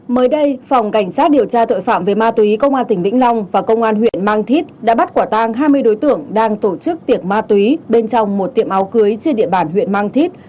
mới đây phòng cảnh sát điều tra tội phạm về ma túy công an tỉnh vĩnh long và công an huyện mang thít đã bắt quả tang hai mươi đối tượng đang tổ chức tiệc ma túy bên trong một tiệm áo cưới trên địa bàn huyện mang thít